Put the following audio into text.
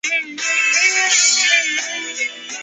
周旧邦木坊的历史年代为明代。